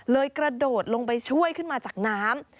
กระโดดลงไปช่วยขึ้นมาจากน้ำ